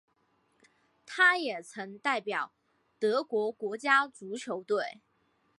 他也曾代表德国国家足球队。